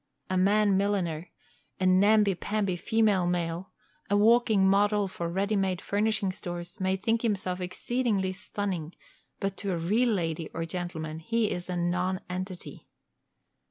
A man milliner, a namby pamby female male, a walking model for ready made furnishing stores, may think himself exceedingly stunning, but to a real lady or gentleman he is a nonentity.